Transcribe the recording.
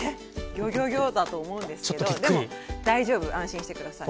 ギョギョギョだと思うんですけどでも大丈夫安心して下さい。